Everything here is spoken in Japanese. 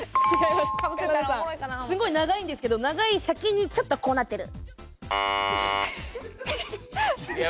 すごい長いんですけど長い先にちょっとこうなってる。